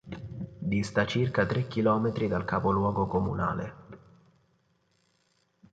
Dista circa tre chilometri dal capoluogo comunale.